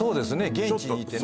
現地に行ってね